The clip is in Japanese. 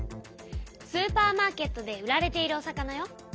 スーパーマーケットで売られているお魚よ。